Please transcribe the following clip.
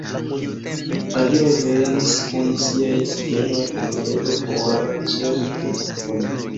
La viroj venis kun siaj siteloj el ledo por ĉerpi akvon.